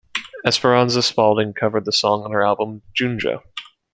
Esperanza Spalding covered the song on her album "Junjo".